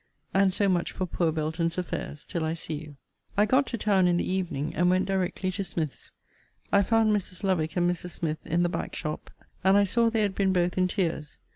And so much for poor Belton's affairs till I see you. I got to town in the evening, and went directly to Smith's. I found Mrs. Lovick and Mrs. Smith in the back shop, and I saw they had been both in tears.